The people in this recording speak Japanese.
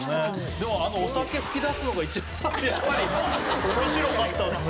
でもあのお酒噴き出すのが一番やっぱり面白かったっすね。